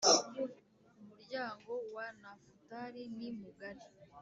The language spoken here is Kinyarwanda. umuryango wa Nafutali ni mugari.